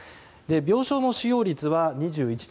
病床使用率は２１．１％。